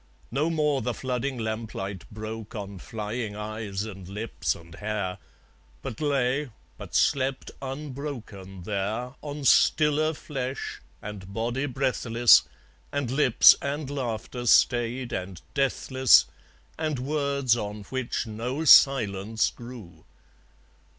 No more the flooding lamplight broke On flying eyes and lips and hair; But lay, but slept unbroken there, On stiller flesh, and body breathless, And lips and laughter stayed and deathless, And words on which no silence grew.